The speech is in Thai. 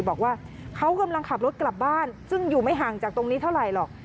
บอกว่าเขากำลังขับรถกลับบ้านซึ่งอยู่ไม่ห่างจากตรงนี้เท่าไหร่หรอก